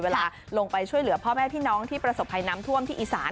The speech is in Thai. เวลาลงไปช่วยเหลือพ่อแม่พี่น้องที่ประสบภัยน้ำท่วมที่อีสาน